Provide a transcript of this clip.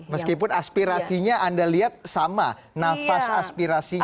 meskipun aspirasinya anda lihat sama nafas aspirasinya